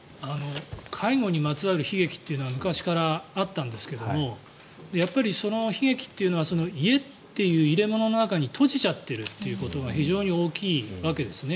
介護にまつわる悲劇というのは昔からあったんですけれどもやっぱりその悲劇というのは家という入れ物の中に閉じちゃっているということが非常に大きいわけですね。